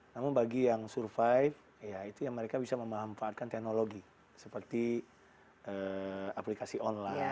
namun bagi yang survive ya itu yang mereka bisa memanfaatkan teknologi seperti aplikasi online